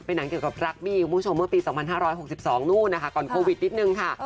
หนังเกี่ยวกับรักมี่คุณผู้ชมเมื่อปี๒๕๖๒นู่นนะคะก่อนโควิดนิดนึงค่ะ